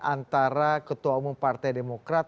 antara ketua umum partai demokrat